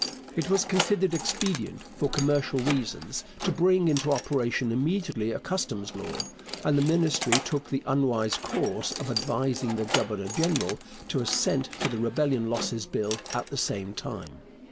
It was considered expedient, for commercial reasons, to bring into operation immediately a customs law, and the Ministry took the unwise course of advising the governor general to assent to the Rebellion Losses Bill at the same time.